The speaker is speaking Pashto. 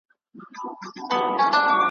د یوې برخي یوه ویډیو را ولېږله ,